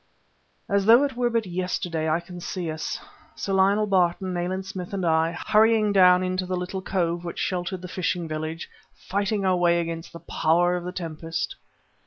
As though it were but yesterday I can see us, Sir Lionel Barton, Nayland Smith and I, hurrying down into the little cove which sheltered the fishing village; fighting our way against the power of the tempest....